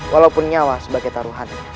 walaupun nyawa sebagai taruhan